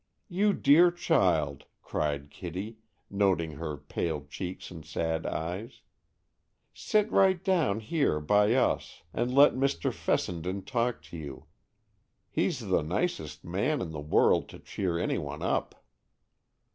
"You dear child," cried Kitty, noting her pale cheeks and sad eyes, "sit right down here by us, and let Mr. Fessenden talk to you. He's the nicest man in the world to cheer any one up."